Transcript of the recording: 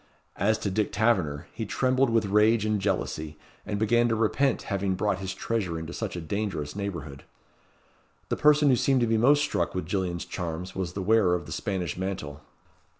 As to Dick Taverner, he trembled with rage and jealousy, and began to repent having brought his treasure into such a dangerous neighbourhood. The person who seemed to be most struck with Gillian's charms was the wearer of the Spanish mantle.